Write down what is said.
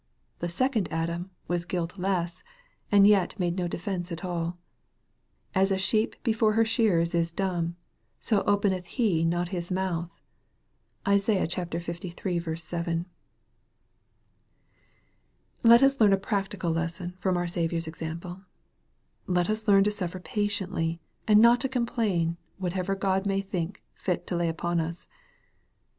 The second Adam was guiltless, and yet made no defence at all. " As a sheep before her shearers is dumb, rjo openeth he not his mouth." (Isa. liii. 7.) Let us learn a practical lesson from our Saviour's example. Let us learn to suffer patiently, and not to complain, whatever God may think fit to lay upon us.